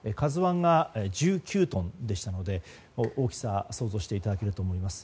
「ＫＡＺＵ１」が１９トンでしたので大きさを想像していただけると思います。